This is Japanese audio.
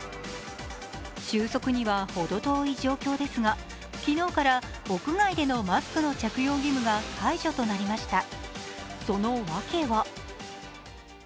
収束には程遠い状況ですが、昨日から屋外でのマスク着用義務が解除となりました。